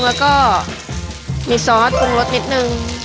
แล้วก็มีซอสปรุงรสนิดนึง